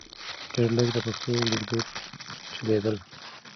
ډېر لږ د پښتو لیکدود چلیدل .